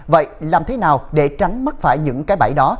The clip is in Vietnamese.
vậy làm thế nào để trắng mất phải những cái bẫy đó